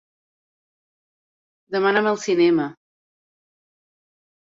Demà anam al cinema.